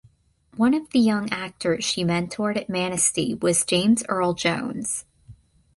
One of the young actors she mentored at Manistee was James Earl Jones.